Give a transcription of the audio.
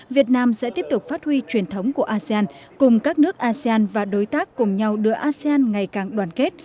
việt nam sẽ tiếp tục phát huy truyền thống của asean cùng các nước asean và đối tác cùng nhau đưa asean ngày càng đoàn kết